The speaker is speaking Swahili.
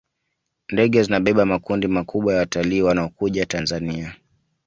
ndege zinabeba makundi makubwa ya watalii wanaokuja tanzania